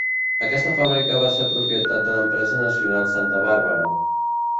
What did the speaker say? Aquesta fàbrica va ser propietat de l'Empresa Nacional Santa Bàrbara.